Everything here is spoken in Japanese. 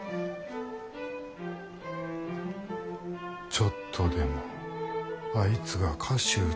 ちょっとでもあいつが菓子ゅう